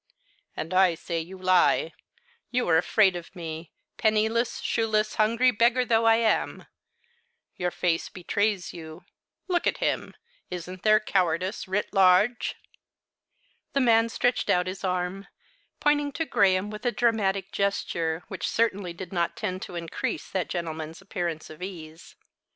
"And I say you lie you are afraid of me, penniless, shoeless, hungry beggar though I am. Your face betrays you; look at him! Isn't there cowardice writ large?" The man stretched out his arm, pointing to Graham with a dramatic gesture, which certainly did not tend to increase that gentleman's appearance of ease.